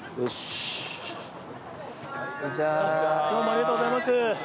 ありがとうございます。